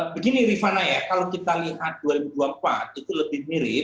begini rifana ya kalau kita lihat dua ribu dua puluh empat itu lebih mirip